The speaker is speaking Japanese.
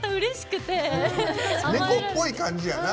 猫っぽい感じやな。